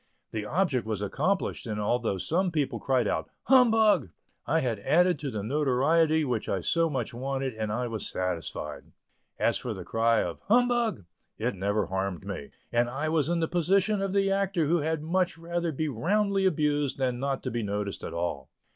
The object was accomplished and although some people cried out "humbug," I had added to the notoriety which I so much wanted and I was satisfied. As for the cry of "humbug," it never harmed me, and I was in the position of the actor who had much rather be roundly abused than not to be noticed at all.